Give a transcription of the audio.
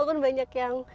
oh kan banyak yang